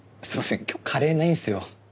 今日カレーないんですよ。